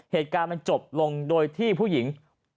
เหตุการณ์มันจบลงโดยที่ผู้หญิง